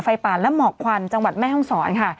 ไปป่าและเหมาะพวันจังหวัดแม่ฮ่องศร